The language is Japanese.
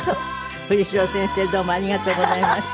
藤城先生どうもありがとうございました。